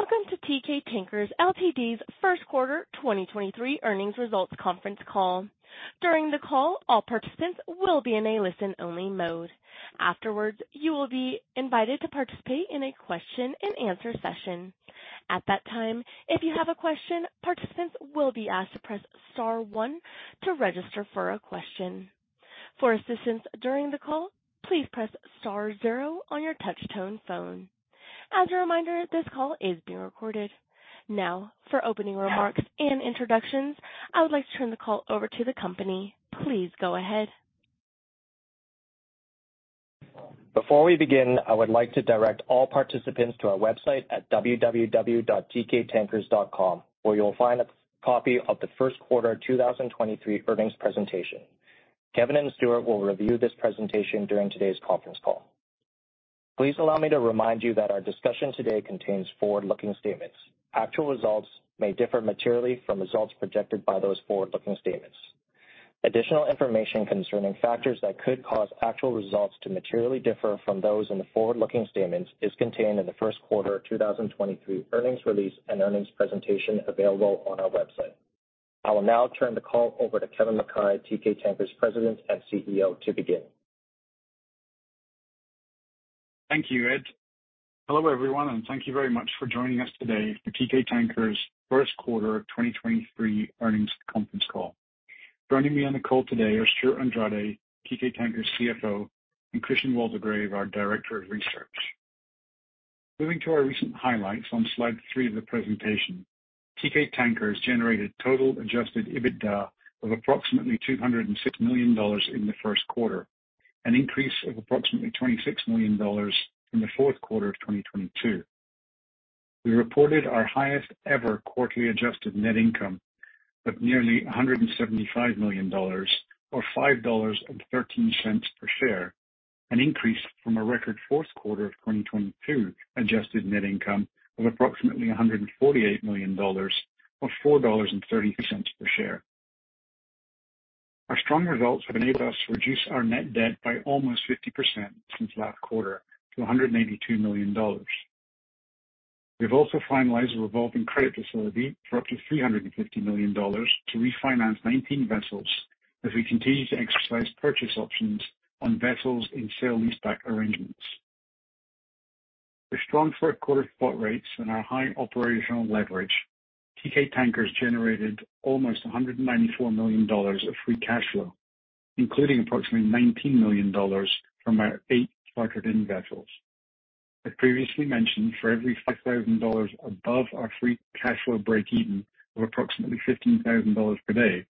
Welcome to Teekay Tankers Ltd.'s Q1 2023 Earnings Results Conference Call. During the call, all participants will be in a listen-only mode. Afterwards, you will be invited to participate in a question-and-answer session. At that time, if you have a question, participants will be asked to press star one to register for a question. For assistance during the call, please press star zero on your touch-tone phone. As a reminder, this call is being recorded. Now, for opening remarks and introductions, I would like to turn the call over to the company. Please go ahead. Before we begin, I would like to direct all participants to our website at www.teekaytankers.com, where you'll find a copy of the Q1 2023 earnings presentation. Kevin and Stuart will review this presentation during today's Conference Call. Please allow me to remind you that our discussion today contains forward-looking statements. Actual results may differ materially from results projected by those forward-looking statements. Additional information concerning factors that could cause actual results to materially differ from those in the Q1 of 2023 Earnings release and earnings presentation available on our website. I will now turn the call over to Kevin Mackay, Teekay Tankers President and CEO, to begin. Thank you, Ed. Hello, everyone, and thank you very much for joining us today for Teekay Tankers' Q1 of 2023 Earnings Conference Call. Joining me on the call today are Stewart Andrade, Teekay Tankers CFO, and Christian Waldegrave, our Director of Research. Moving to our recent highlights on slide three of the presentation. Teekay Tankers generated total adjusted EBITDA of approximately $206 million in the Q1, an increase of approximately $26 million from the Q4 of 2022. We reported our highest-ever quarterly adjusted net income of nearly $175 million or $5.13 per share, an increase from a record Q4 of 2022 adjusted net income of approximately $148 million or $4.32 per share. Our strong results have enabled us to reduce our net debt by almost 50% since last quarter to $182 million. We've also finalized a revolving credit facility for up to $350 million to refinance 19 vessels as we continue to exercise purchase options on vessels in sale-leaseback arrangements. With strong Q4 spot rates and our high operational leverage, Teekay Tankers generated almost $194 million of free cash flow, including approximately $19 million from our eight chartered-in vessels. As previously mentioned, for every $5,000 above our free cash flow breakeven of approximately $15,000 per day,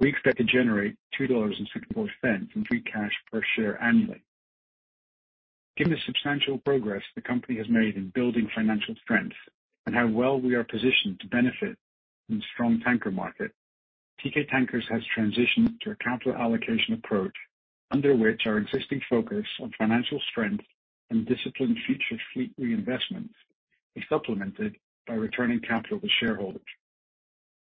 we expect to generate $2.64 in free cash per share annually. Given the substantial progress the company has made in building financial strength and how well we are positioned to benefit from the strong tanker market, Teekay Tankers has transitioned to a capital allocation approach under which our existing focus on financial strength and disciplined future fleet reinvestment is supplemented by returning capital to shareholders.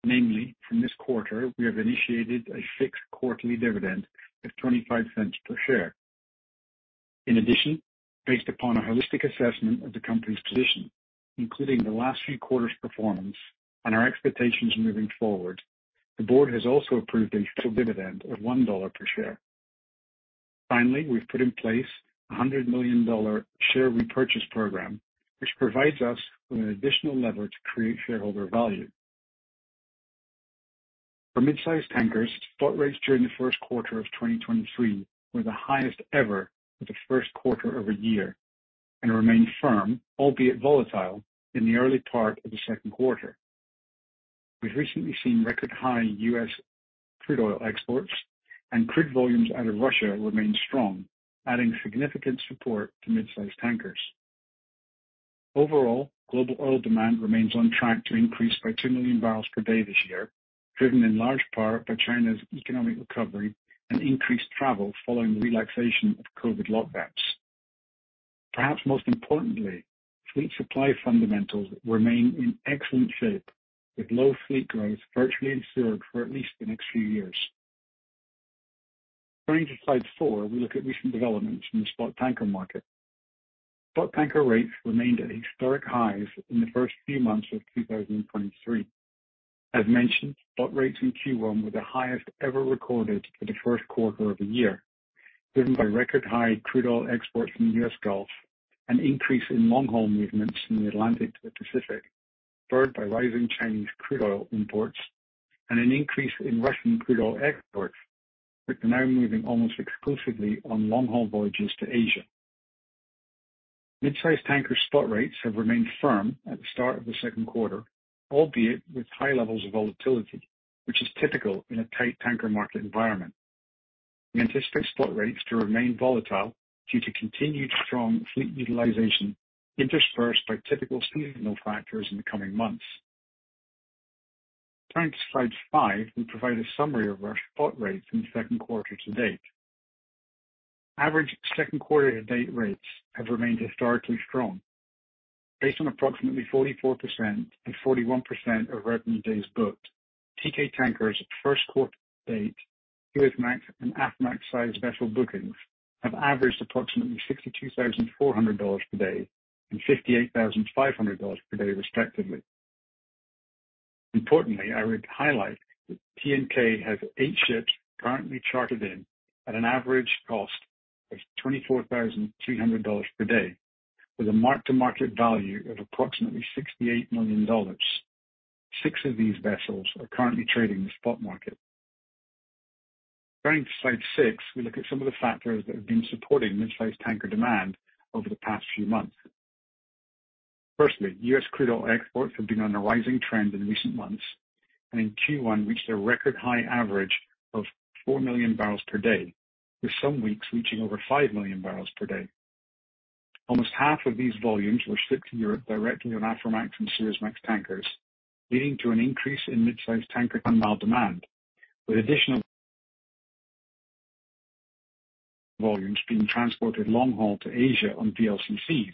Namely, in this quarter, we have initiated a fixed quarterly dividend of $0.25 per share. In addition, based upon a holistic assessment of the company's position, including the last Q performance and our expectations moving forward, the board has also approved a special dividend of $1 per share. Finally, we've put in place a $100 million share repurchase program, which provides us with an additional lever to create shareholder value. For mid-size tankers, spot rates during Q1 2023 were the highest ever for the Q1 of a year and remained firm, albeit volatile, in the early part of Q2. We've recently seen record high U.S. crude oil exports and crude volumes out of Russia remain strong, adding significant support to mid-size tankers. Global oil demand remains on track to increase by 2 million barrels per day this year, driven in large part by China's economic recovery and increased travel following the relaxation of COVID lockdowns. Perhaps most importantly, fleet supply fundamentals remain in excellent shape, with low fleet growth virtually ensured for at least the next few years. Turning to slide four, we look at recent developments in the spot tanker market. Spot tanker rates remained at historic highs in the first three months of 2023. As mentioned, spot rates in Q1 were the highest ever recorded for the Q1 of the year, driven by record high crude oil exports in the U.S. Gulf, an increase in long-haul movements from the Atlantic to the Pacific, spurred by rising Chinese crude oil imports and an increase in Russian crude oil exports, which are now moving almost exclusively on long-haul voyages to Asia. Mid-size tanker spot rates have remained firm at the start of the second quarter, albeit with high levels of volatility, which is typical in a tight tanker market environment. We anticipate spot rates to remain volatile due to continued strong fleet utilization interspersed by typical seasonal factors in the coming months. Turning to slide five, we provide a summary of our spot rates in the second quarter to date. Average second quarter to date rates have remained historically strong. Based on approximately 44% and 41% of revenue days booked Teekay Tankers at Q1 to date, Suezmax and Aframax size vessel bookings have averaged approximately $62,400 per day and $58,500 per day respectively. Importantly, I would highlight that TNK has eight ships currently chartered in at an average cost of $24,300 per day with a mark-to-market value of approximately $68 million. Six of these vessels are currently trading the spot market. Turning to slide six, we look at some of the factors that have been supporting midsize tanker demand over the past few months. Firstly, U.S. crude oil exports have been on a rising trend in recent months, and in Q1 reached a record high average of 4 million barrels per day, with some weeks reaching over 5 million barrels per day. Almost half of these volumes were shipped to Europe directly on Aframax and Suezmax tankers, leading to an increase in midsize tanker ton-mile demand, with additional volumes being transported long haul to Asia on VLCCs.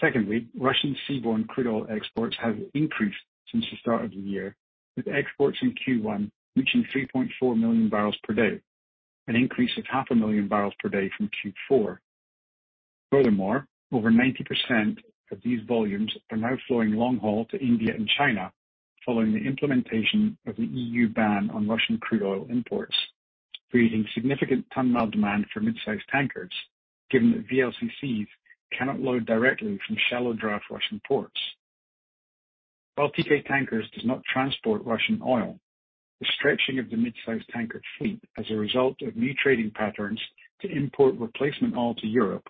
Secondly, Russian seaborne crude oil exports have increased since the start of the year, with exports in Q1 reaching 3.4 million barrels per day, an increase of half a million barrels per day from Q4. Furthermore, over 90% of these volumes are now flowing long haul to India and China following the implementation of the EU ban on Russian crude oil imports, creating significant ton-mile demand for midsize tankers, given that VLCCs cannot load directly from shallow draft Russian ports. While TK Tankers does not transport Russian oil, the stretching of the mid-size tanker fleet as a result of new trading patterns to import replacement oil to Europe,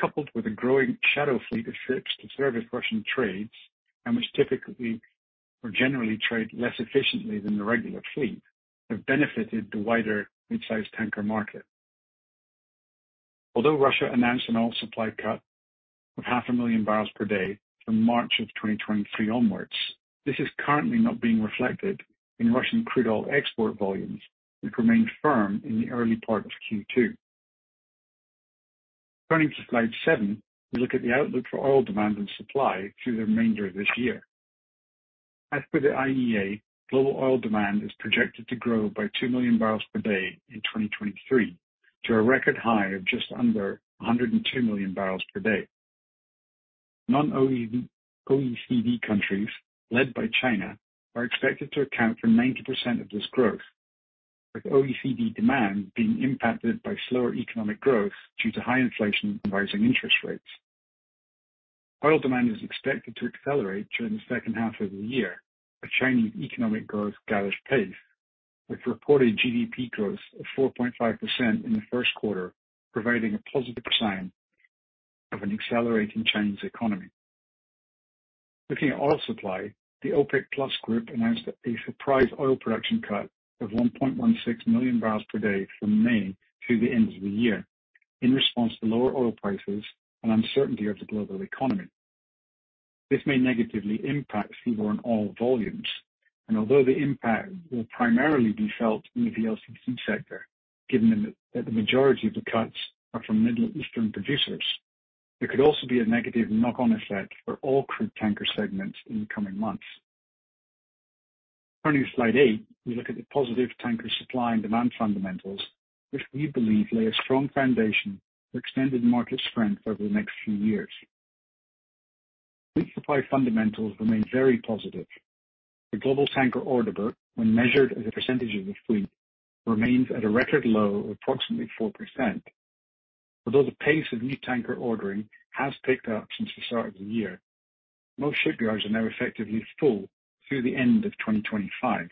coupled with a growing shadow fleet of ships to service Russian trades and which typically or generally trade less efficiently than the regular fleet, have benefited the wider mid-size tanker market. Although Russia announced an oil supply cut of half a million barrels per day from March of 2023 onwards, this is currently not being reflected in Russian crude oil export volumes, which remained firm in the early part of Q2. Turning to slide seven, we look at the outlook for oil demand and supply through the remainder of this year. As per the IEA, global oil demand is projected to grow by 2 million barrels per day in 2023 to a record high of just under 102 million barrels per day. Non-OECD countries, led by China, are expected to account for 90% of this growth, with OECD demand being impacted by slower economic growth due to high inflation and rising interest rates. Oil demand is expected to accelerate during the second half of the year, with Chinese economic growth gathered pace, with reported GDP growth of 4.5% in Q1, providing a positive sign of an accelerating Chinese economy. Looking at oil supply, the OPEC+ group announced a surprise oil production cut of 1.16 million barrels per day from May through the end of the year in response to lower oil prices and uncertainty of the global economy. This may negatively impact seaborne oil volumes, and although the impact will primarily be felt in the VLCC sector, given that the majority of the cuts are from Middle Eastern producers, there could also be a negative knock-on effect for all crude tanker segments in the coming months. Turning to slide eight, we look at the positive tanker supply and demand fundamentals, which we believe lay a strong foundation for extended market strength over the next few years. Fleet supply fundamentals remain very positive. The global tanker order book, when measured as a percentage of the fleet, remains at a record low of approximately 4%. Although the pace of new tanker ordering has picked up since the start of the year, most shipyards are now effectively full through the end of 2025.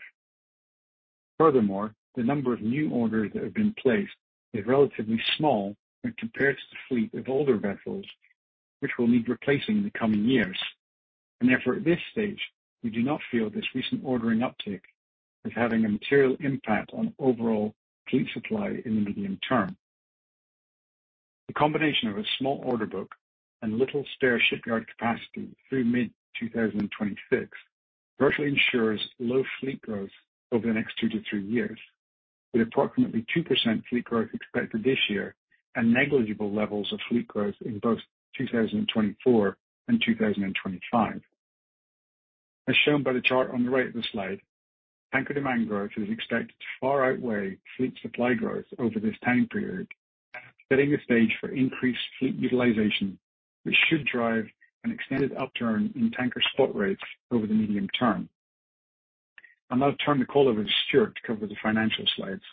Furthermore, the number of new orders that have been placed is relatively small when compared to the fleet of older vessels which will need replacing in the coming years. Therefore, at this stage, we do not feel this recent ordering uptick as having a material impact on overall fleet supply in the medium term. The combination of a small order book and little spare shipyard capacity through mid-2026 virtually ensures low fleet growth over the next two-three years, with approximately 2% fleet growth expected this year and negligible levels of fleet growth in both 2024 and 2025. As shown by the chart on the right of the slide, tanker demand growth is expected to far outweigh fleet supply growth over this time period, setting the stage for increased fleet utilization, which should drive an extended upturn in tanker spot rates over the medium term. I'll now turn the call over to Stuart to cover the financial slides.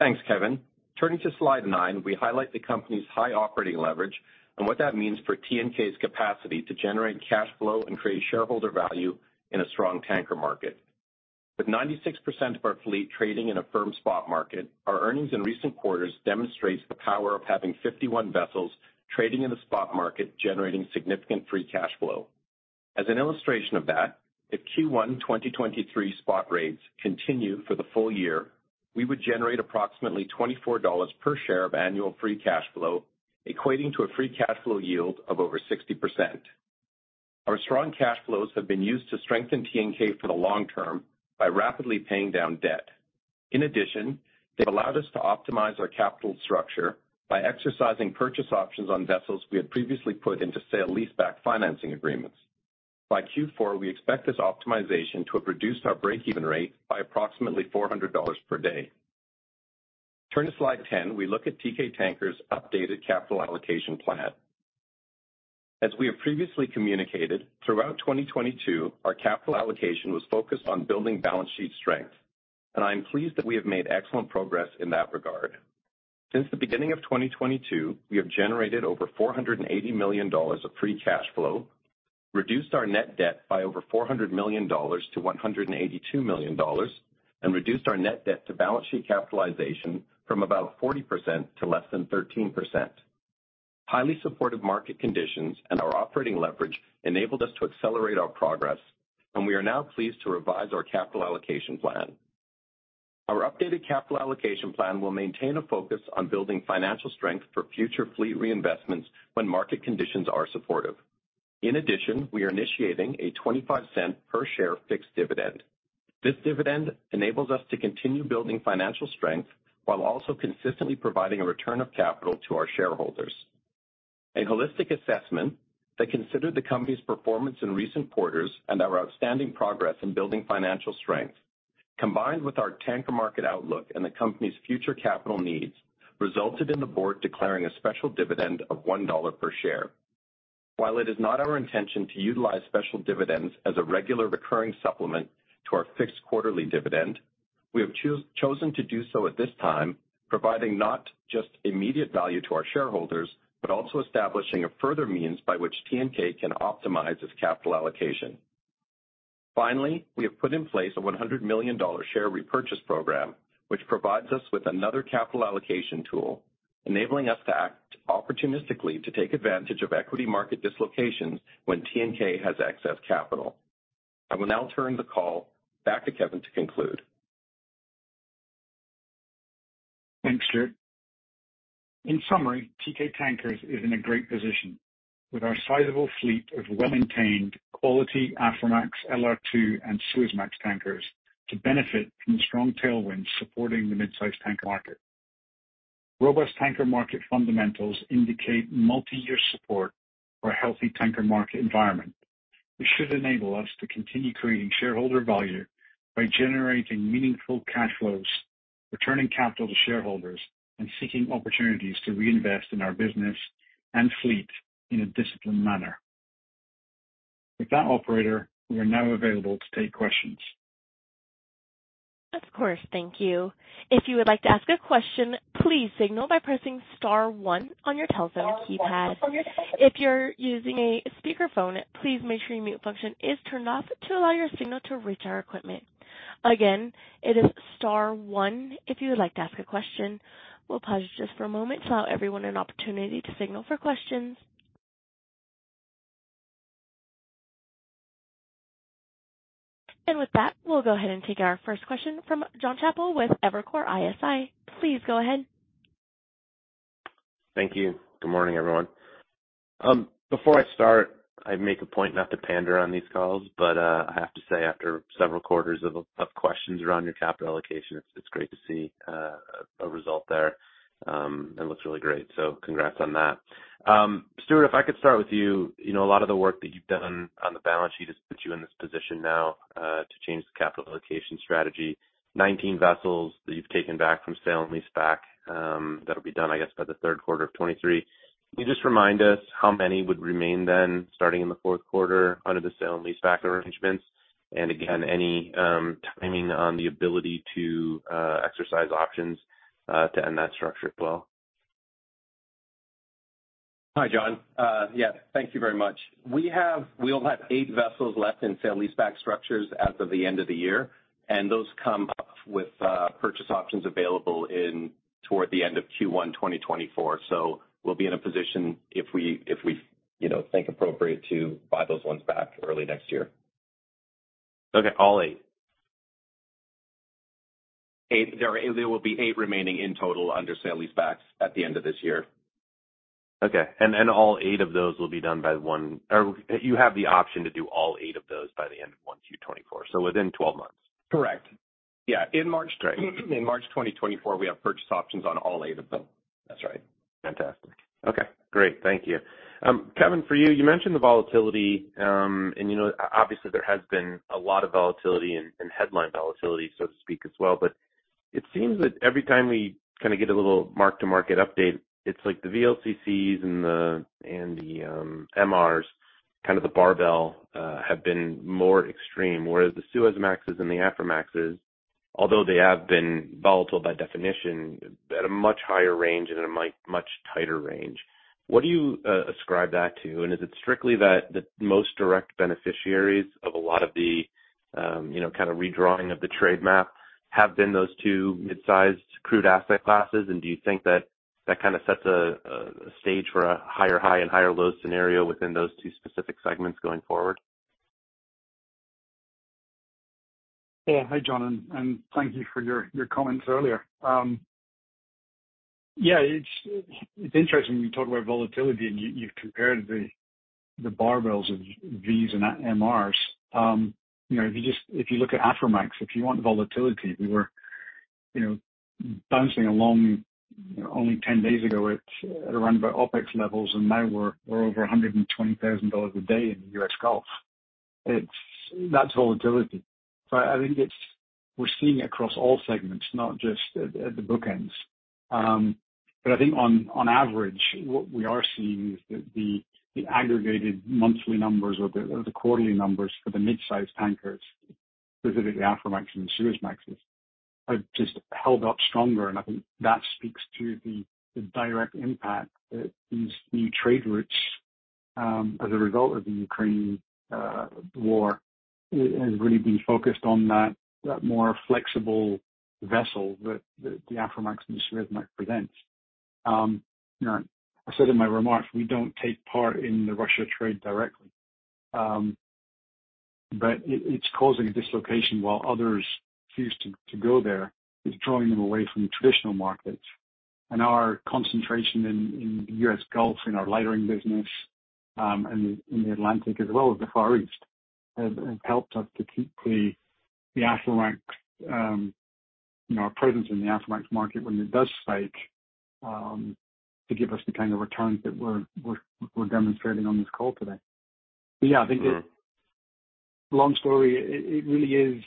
Thanks, Kevin. Turning to slide nine, we highlight the company's high operating leverage and what that means for TNK's capacity to generate cash flow and create shareholder value in a strong tanker market. With 96% of our fleet trading in a firm spot market, our earnings in recent quarters demonstrates the power of having 51 vessels trading in the spot market, generating significant free cash flow. As an illustration of that, if Q1 2023 spot rates continue for the full year, we would generate approximately $24 per share of annual free cash flow, equating to a free cash flow yield of over 60%. Our strong cash flows have been used to strengthen TNK for the long term by rapidly paying down debt. In addition, they've allowed us to optimize our capital structure by exercising purchase options on vessels we had previously put into sale-leaseback financing agreements. By Q4, we expect this optimization to have reduced our break-even rate by approximately $400 per day. Turn to slide 10, we look at Teekay Tankers updated capital allocation plan. As we have previously communicated, throughout 2022, our capital allocation was focused on building balance sheet strength. I am pleased that we have made excellent progress in that regard. Since the beginning of 2022, we have generated over $480 million of free cash flow, reduced our net debt by over $400 million to $182 million, and reduced our net debt to balance sheet capitalization from about 40% to less than 13%. Highly supportive market conditions and our operating leverage enabled us to accelerate our progress. We are now pleased to revise our capital allocation plan. Our updated capital allocation plan will maintain a focus on building financial strength for future fleet reinvestments when market conditions are supportive. We are initiating a $0.25 per share fixed dividend. This dividend enables us to continue building financial strength while also consistently providing a return of capital to our shareholders. A holistic assessment that considered the company's performance in recent quarters and our outstanding progress in building financial strength, combined with our tanker market outlook and the company's future capital needs, resulted in the board declaring a special dividend of $1 per share. While it is not our intention to utilize special dividends as a regular recurring supplement to our fixed quarterly dividend, we have chosen to do so at this time, providing not just immediate value to our shareholders, but also establishing a further means by which TNK can optimize its capital allocation. Finally, we have put in place a $100 million share repurchase program, which provides us with another capital allocation tool, enabling us to act opportunistically to take advantage of equity market dislocations when TNK has excess capital. I will now turn the call back to Kevin to conclude. Thanks, Stewart. In summary, Teekay Tankers is in a great position with our sizable fleet of well-maintained, quality Aframax, LR2, and Suezmax tankers to benefit from strong tailwinds supporting the mid-size tanker market. Robust tanker market fundamentals indicate multi-year support for a healthy tanker market environment, which should enable us to continue creating shareholder value by generating meaningful cash flows, returning capital to shareholders, and seeking opportunities to reinvest in our business and fleet in a disciplined manner. With that operator, we are now available to take questions. Of course. Thank you. If you would like to ask a question, please signal by pressing star one on your telephone keypad. If you're using a speakerphone, please make sure your mute function is turned off to allow your signal to reach our equipment. Again, it is star one if you would like to ask a question. We'll pause just for a moment to allow everyone an opportunity to signal for questions. With that, we'll go ahead and take our first question from Jon Chappell with Evercore ISI. Please go ahead. Thank you. Good morning, everyone. Before I start, I make a point not to pander on these calls, I have to say, after several quarters of questions around your capital allocation, it's great to see a result there. It looks really great, congrats on that. Stewart, if I could start with you. You know, a lot of the work that you've done on the balance sheet has put you in this position now to change the capital allocation strategy. 19 vessels that you've taken back from sale-leaseback, that'll be done, I guess, by Q3 of 2023. Can you just remind us how many would remain then, starting in Q4, under the sale-leaseback arrangements? Again, any timing on the ability to exercise options to end that structure as well? Hi, Jon. Yeah. Thank you very much. We only have eight vessels left in sale-leaseback structures as of the end of the year, and those come up with purchase options available in toward the end of Q1 2024. We'll be in a position if we, if we, you know, think appropriate to buy those ones back early next year. Okay. All eight? Eight. There will be eight remaining in total under sale-leasebacks at the end of this year. Okay. All eight of those will be done by one. You have the option to do all eight of those by the end of 2024. Within 12 months. Correct. Yeah. In March- Great. In March 2024, we have purchase options on all eight of them. That's right. Fantastic. Okay, great. Thank you. Kevin, for you mentioned the volatility, and you know, obviously there has been a lot of volatility and headline volatility, so to speak, as well. It seems that every time we kind of get a little mark-to-market update, it's like the VLCCs and the, and the MRs, kind of the barbell, have been more extreme, whereas the Suezmaxes and the Aframaxes, although they have been volatile by definition at a much higher range and in a much tighter range. What do you ascribe that to? Is it strictly that the most direct beneficiaries of a lot of the, you know, kind of redrawing of the trade map have been those two mid-sized crude asset classes? Do you think that that kind of sets a stage for a higher high and higher low scenario within those two specific segments going forward? Yeah. Hi, Jon, and thank you for your comments earlier. Yeah, it's interesting when you talk about volatility and you've compared the barbells of Vs and MRs. You know, if you look at Aframax, if you want volatility, we were, you know, bouncing along only 10 days ago at around about OPEX levels, and now we're over $120,000 a day in US Gulf. That's volatility. I think we're seeing it across all segments, not just at the bookends. I think on average, what we are seeing is that the aggregated monthly numbers or the quarterly numbers for the mid-sized tankers, specifically Aframax and Suezmaxes, have just held up stronger. I think that speaks to the direct impact that these new trade routes, as a result of the Ukraine war, has really been focused on that more flexible vessel that the Aframax and the Suezmax presents. You know, I said in my remarks, we don't take part in the Russia trade directly. It's causing a dislocation while others choose to go there. It's drawing them away from traditional markets. Our concentration in US Gulf in our lightering business, and in the Atlantic as well as the Far East, has helped us to keep the Aframax, you know, our presence in the Aframax market when it does spike, to give us the kind of returns that we're demonstrating on this call today. Yeah, I think. Long story, it really is.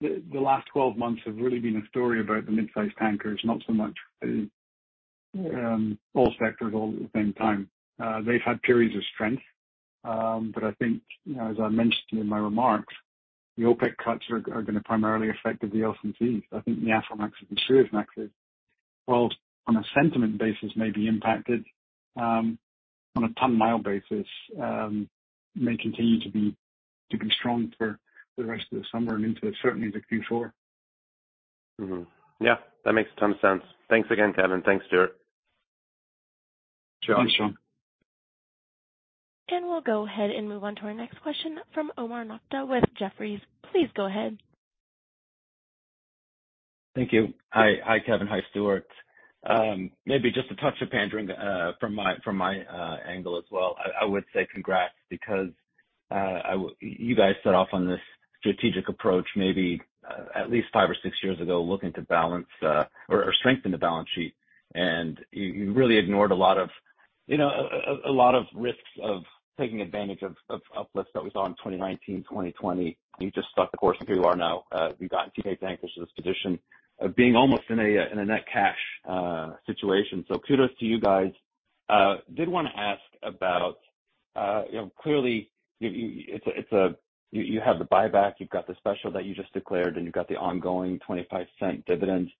The last 12 months have really been a story about the mid-sized tankers, not so much all sectors all at the same time. They've had periods of strength. I think, as I mentioned in my remarks, the OPEC cuts are gonna primarily affect the VLCCs. I think the Aframax and Suezmaxes, while on a sentiment basis may be impacted, on a ton-mile basis, may continue to be strong for the rest of the summer and into certainly the Q4. Yeah, that makes a ton of sense. Thanks again, Kevin. Thanks, Stuart. Thanks, Jon. Josh. We'll go ahead and move on to our next question from Omar Nokta with Jefferies. Please go ahead. Thank you. Hi. Hi, Kevin. Hi, Stewart. Maybe just a touch of pandering from my angle as well. I would say congrats because you guys set off on this strategic approach maybe at least five or six years ago, looking to balance or strengthen the balance sheet. You really ignored a lot of, you know, a lot of risks of taking advantage of uplifts that we saw in 2019, 2020. You just stuck the course and here you are now. We've gotten to this position of being almost in a net cash situation. Kudos to you guys. Did wanna ask about, you know, clearly you have the buyback, you've got the special that you just declared, and you've got the ongoing $0.25 dividend.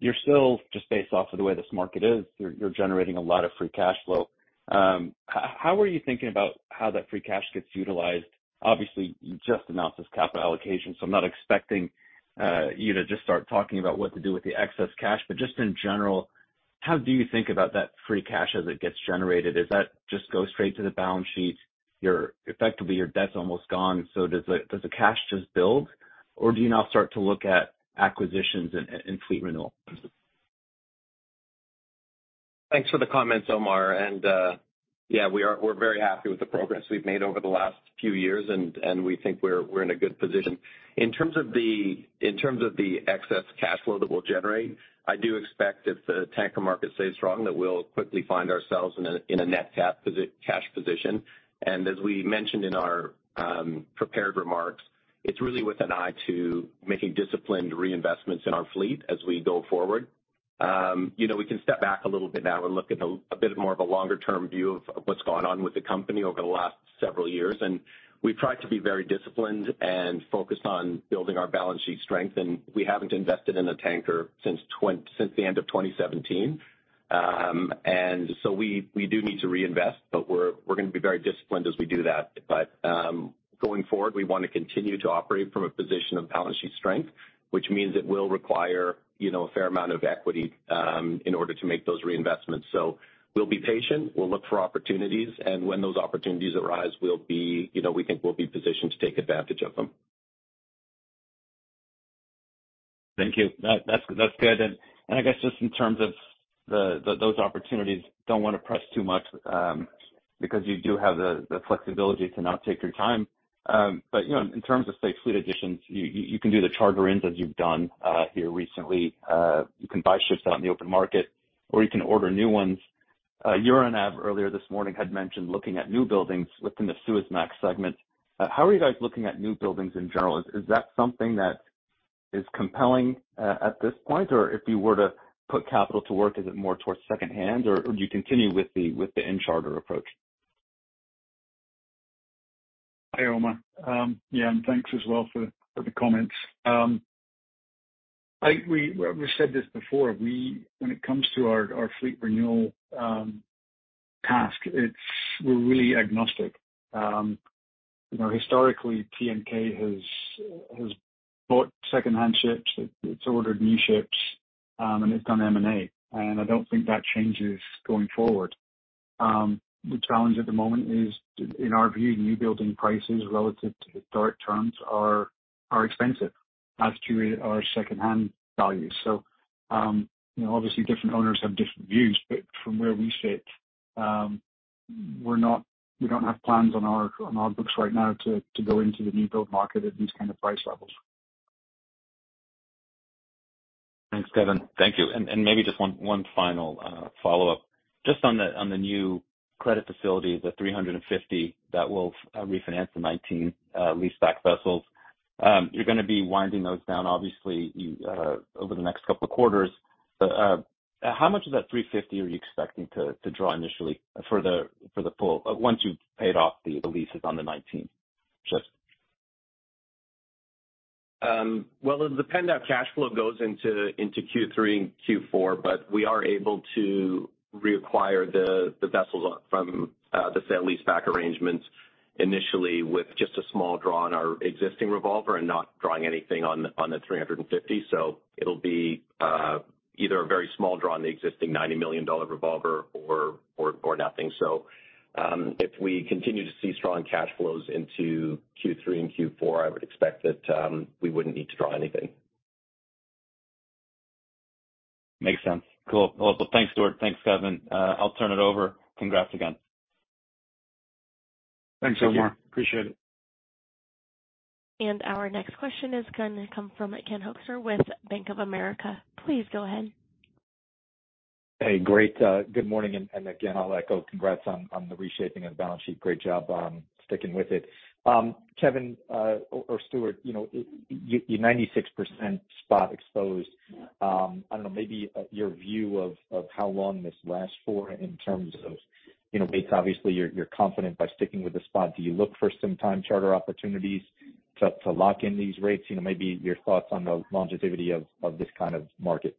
You're still just based off of the way this market is, you're generating a lot of free cash flow. How are you thinking about how that free cash gets utilized? Obviously, you just announced this capital allocation, so I'm not expecting you to just start talking about what to do with the excess cash. Just in general, how do you think about that free cash as it gets generated? Does that just go straight to the balance sheet? Effectively, your debt's almost gone, so does the cash just build, or do you now start to look at acquisitions and fleet renewal? Thanks for the comments, Omar. Yeah, we're very happy with the progress we've made over the last few years, and we think we're in a good position. In terms of the excess cash flow that we'll generate, I do expect if the tanker market stays strong, that we'll quickly find ourselves in a net cash position. As we mentioned in our prepared remarks, it's really with an eye to making disciplined reinvestments in our fleet as we go forward. You know, we can step back a little bit now and look at a bit more of a longer term view of what's gone on with the company over the last several years. We've tried to be very disciplined and focused on building our balance sheet strength, and we haven't invested in a tanker since the end of 2017. We do need to reinvest, but we're gonna be very disciplined as we do that. Going forward, we wanna continue to operate from a position of balance sheet strength, which means it will require, you know, a fair amount of equity, in order to make those reinvestments. We'll be patient, we'll look for opportunities, and when those opportunities arise, we'll be, you know, we think we'll be positioned to take advantage of them. Thank you. That's good. I guess just in terms of the those opportunities, don't wanna press too much, because you do have the flexibility to not take your time. you know, in terms of, say, fleet additions, you can do the charter-ins as you've done here recently. You can buy ships out in the open market, or you can order new ones. Euronav earlier this morning had mentioned looking at new buildings within the Suezmax segment. How are you guys looking at new buildings in general? Is that something that is compelling at this point? Or if you were to put capital to work, is it more towards secondhand, or do you continue with the in-charter approach? Hi, Omar. Yeah, thanks as well for the comments. We said this before. When it comes to our fleet renewal task, we're really agnostic. You know, historically, TNK has bought secondhand ships, it's ordered new ships, and it's done M&A, and I don't think that changes going forward. The challenge at the moment is, in our view, new building prices relative to historic terms are expensive as to our secondhand values. You know, obviously different owners have different views, but from where we sit, we don't have plans on our books right now to go into the new build market at these kind of price levels. Thanks, Kevin. Thank you. Maybe just one final follow-up just on the new credit facility, the $350 million that will refinance the 19 sale-leaseback vessels. You're going to be winding those down obviously, you, over the next couple of quarters. How much of that $350 million are you expecting to draw initially for the full? Once you've paid off the leases on the 19? Just? Well, it'll depend how cash flow goes into Q3 and Q4, but we are able to reacquire the vessels from the sale-leaseback arrangements initially with just a small draw on our existing revolver and not drawing anything on the $350. It'll be either a very small draw on the existing $90 million revolver or nothing. If we continue to see strong cash flows into Q3 and Q4, I would expect that we wouldn't need to draw anything. Makes sense. Cool. Well, thanks, Stewart. Thanks, Kevin. I'll turn it over. Congrats again. Thanks so much. Appreciate it. Our next question is gonna come from Ken Hoexter with Bank of America. Please go ahead. Hey, great. Good morning. Again, I'll echo congrats on the reshaping of the balance sheet. Great job on sticking with it. Kevin, or Stewart, you know, you 96% spot exposed, I don't know, maybe your view of how long this lasts for in terms of, you know, it's obviously you're confident by sticking with the spot. Do you look for some time charter opportunities to lock in these rates? You know, maybe your thoughts on the longevity of this kind of market.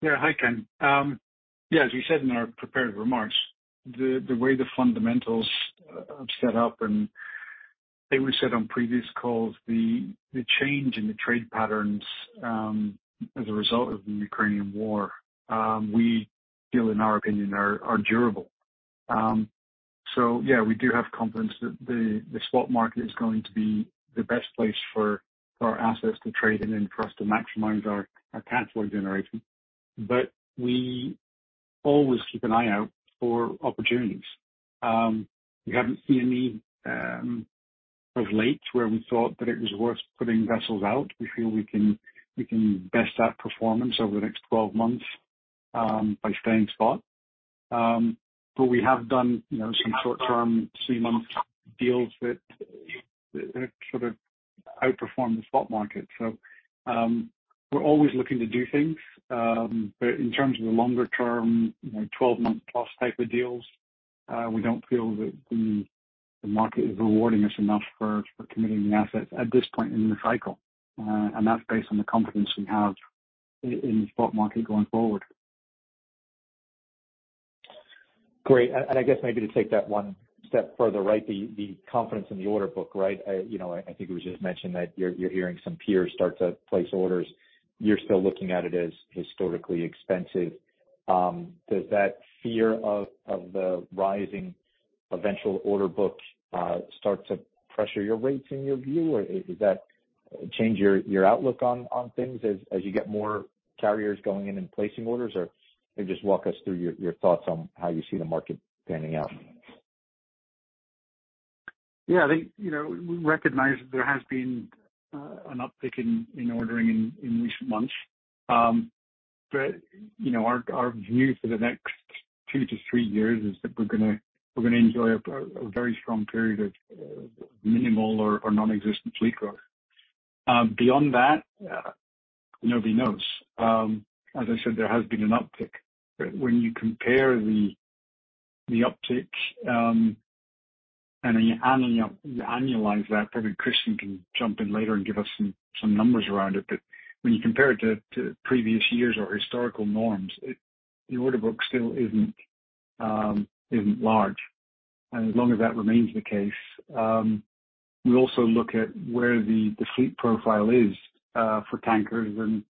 Yeah. Hi, Ken. Yeah, as we said in our prepared remarks, the way the fundamentals are set up, and I think we said on previous calls, the change in the trade patterns, as a result of the Ukrainian war, we feel in our opinion are durable. Yeah, we do have confidence that the spot market is going to be the best place for our assets to trade and then for us to maximize our cash flow generation. We always keep an eye out for opportunities. We haven't seen any of late where we thought that it was worth putting vessels out. We feel we can best that performance over the next 12 months, by staying spot. We have done, you know, some short-term three-month deals that sort of outperformed the spot market. We're always looking to do things. In terms of the longer term, you know, 12-month-plus type of deals, we don't feel that the market is rewarding us enough for committing the assets at this point in the cycle, and that's based on the confidence we have in the spot market going forward. Great. I guess maybe to take that one step further, right? The confidence in the order book, right? You know, I think it was just mentioned that you're hearing some peers start to place orders. You're still looking at it as historically expensive. Does that fear of the rising eventual order book start to pressure your rates in your view? Or is that change your outlook on things as you get more carriers going in and placing orders? Or maybe just walk us through your thoughts on how you see the market panning out. I think, you know, we recognize that there has been an uptick in ordering in recent months. You know, our view for the next two to three years is that we're gonna, we're gonna enjoy a very strong period of minimal or nonexistent fleet growth. Beyond that, nobody knows. As I said, there has been an uptick. When you compare the uptick, and you annualize that, maybe Christian can jump in later and give us some numbers around it, but when you compare it to previous years or historical norms, it... the order book still isn't large. As long as that remains the case, we also look at where the fleet profile is for tankers, and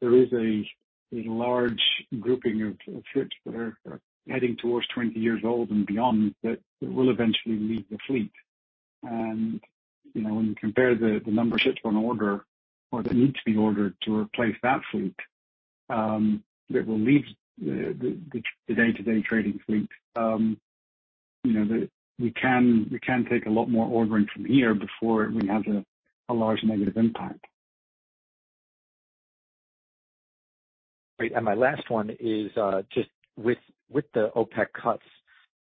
there is a large grouping of ships that are heading towards 20 years old and beyond that will eventually leave the fleet. You know, when you compare the number of ships on order or that need to be ordered to replace that fleet, that will leave the day-to-day trading fleet, you know, we can take a lot more ordering from here before we have a large negative impact. Great. My last one is, just with the OPEC cuts,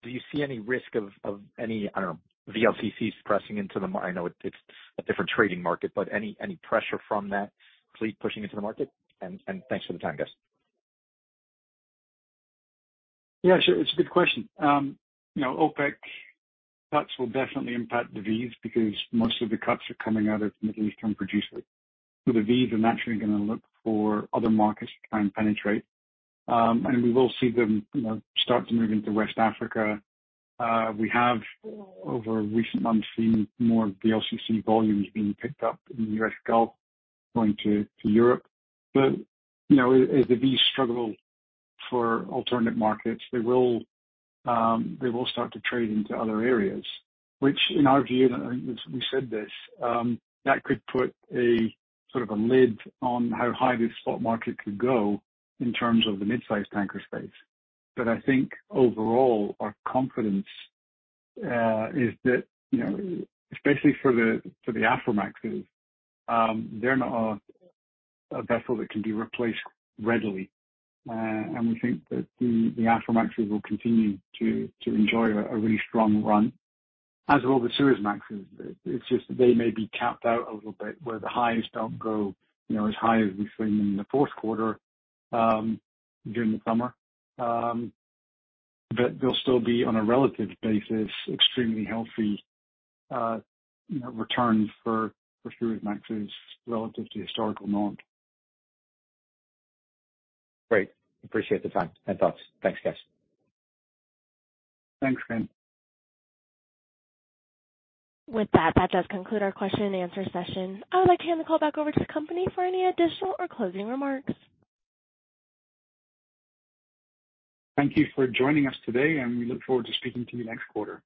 do you see any risk of any, I don't know, VLCCs pressing into the market? I know it's a different trading market, but any pressure from that fleet pushing into the market? Thanks for the time, guys. Yeah, sure. It's a good question. You know, OPEC cuts will definitely impact the V's because most of the cuts are coming out of Middle Eastern producers. The V's are naturally gonna look for other markets to try and penetrate. We will see them, you know, start to move into West Africa. We have over recent months seen more VLCC volumes being picked up in the U.S. Gulf going to Europe. You know, as the V's struggle for alternative markets, they will, they will start to trade into other areas, which in our view, and I think we said this, that could put a sort of a lid on how high this spot market could go in terms of the mid-size tanker space. I think overall, our confidence, is that, you know, especially for the Aframaxes, they're not a vessel that can be replaced readily. We think that the Aframaxes will continue to enjoy a really strong run, as will the Suezmaxes. It's just that they may be capped out a little bit, where the highs don't go, you know, as high as we saw them in the Q4, during the summer. They'll still be, on a relative basis, extremely healthy, you know, returns for Suezmaxes relative to historical norms. Great. Appreciate the time and thoughts. Thanks, guys. Thanks, Ken. With that does conclude our question and answer session. I would like to hand the call back over to the company for any additional or closing remarks. Thank you for joining us today. We look forward to speaking to you next quarter.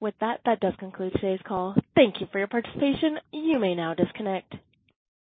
With that does conclude today's call. Thank you for your participation. You may now disconnect.